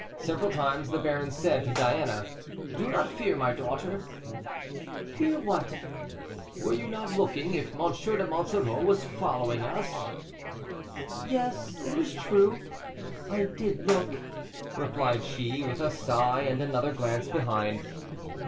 Several times the baron said to Diana, "Do not fear, my daughter." "Fear what?" "Were you not looking if M. de Monsoreau was following us?" "Yes, it was true, I did look," replied she, with a sigh and another glance behind.